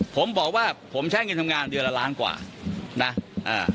ผมบอกว่าผมใช้เงินทำงานเดือนละล้านกว่านะอ่า